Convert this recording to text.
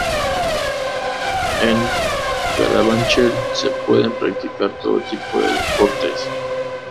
En Carabanchel se pueden practicar todo tipo de deportes.